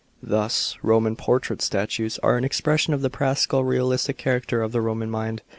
Thus Roman portrait statues are an expression of the practical, realistic character of the Roman mind.